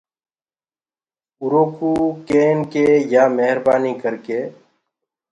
اورو ڪوُ ڪين ڪي يآ مهربآنيٚ ڪر ڪي۔